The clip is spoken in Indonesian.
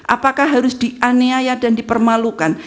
apakah harus dianiaya dan dipermalukan